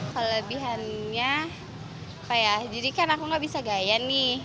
kelebihannya kayak jadi kan aku nggak bisa gaya nih